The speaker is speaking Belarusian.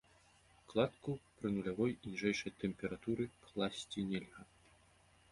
Кладку пры нулявой і ніжэйшай тэмпературы класці нельга.